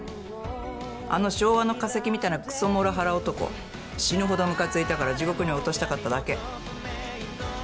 あの昭和の化石みたいなくそモラハラ男死ぬほどムカついたから地獄に落としたかっただけ。